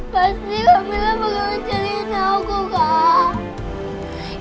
pasti kamila bakal mencari aku kak